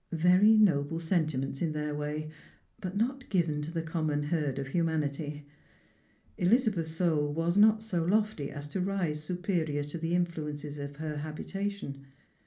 Very noble sentiments in their way, but not given to the common herd of humanity. Elizabeth's soul was not so lofty as to rise superior to the influences of her habitation.